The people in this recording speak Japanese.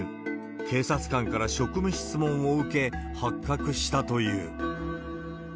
警察官から職務質問を受け、発覚したという。